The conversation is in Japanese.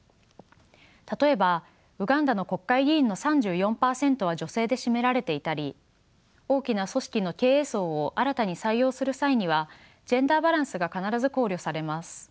例えばウガンダの国会議員の３４％は女性で占められていたり大きな組織の経営層を新たに採用する際にはジェンダーバランスが必ず考慮されます。